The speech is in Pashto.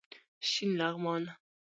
شین لغمان